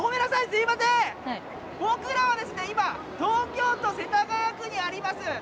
僕らは今東京都世田谷区にあります